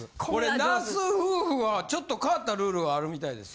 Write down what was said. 那須夫婦はちょっと変わったルールがあるみたいです。